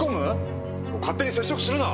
勝手に接触するな！